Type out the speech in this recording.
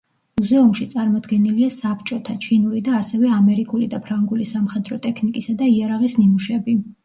მუზეუმში წარმოდგენილია საბჭოთა, ჩინური და ასევე ამერიკული და ფრანგული სამხედრო ტექნიკისა და იარაღის ნიმუშები.